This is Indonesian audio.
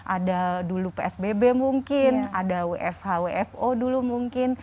ada dulu psbb mungkin ada wfh wfo dulu mungkin